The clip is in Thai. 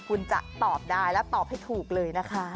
คุณจะตอบได้และตอบให้ถูกเลยนะคะ